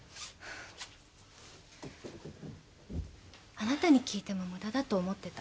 あなたに聞いても無駄だと思ってた。